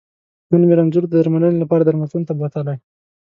نن مې رنځور د درمنلې لپاره درملتون ته بوتلی